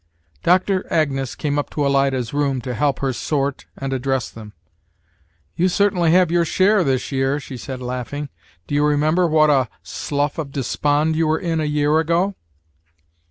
Doctor Agnes came up to Alida's room to help her sort and address them. "You certainly have your share this year," she said, laughing. "Do you remember what a slough of despond you were in a year ago?"